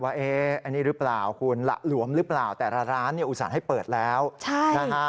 ว่าเอ๊ะอันนี้รึเปล่าคุณหลวมรึเปล่าแต่ละร้านอุตส่าห์ให้เปิดแล้วใช่